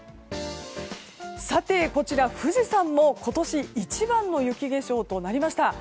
こちら、富士山も今年一番の雪化粧となりました。